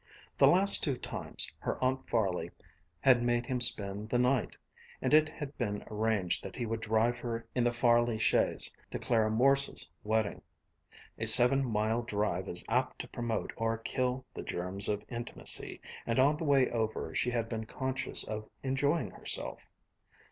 The last two times her Aunt Farley had made him spend the night, and it had been arranged that he would drive her in the Farley chaise to Clara Morse's wedding. A seven mile drive is apt to promote or kill the germs of intimacy, and on the way over she had been conscious of enjoying herself.